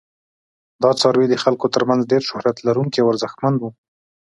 دا څاروي د خلکو تر منځ ډیر شهرت لرونکي او ارزښتمن وو.